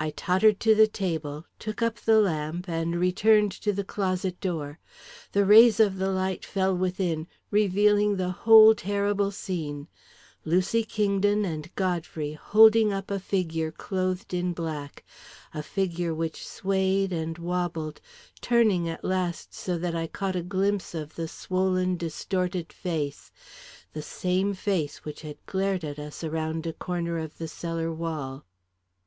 I tottered to the table, took up the lamp, and returned to the closet door. The rays of the light fell within, revealing the whole terrible scene Lucy Kingdon and Godfrey holding up a figure clothed in black, a figure which swayed and wabbled, turning at last so that I caught a glimpse of the swollen, distorted face the same face which had glared at us around a corner of the cellar wall.